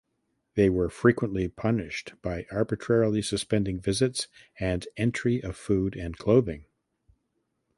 They were frequently punished by arbitrarily suspending visits and entry of food and clothing.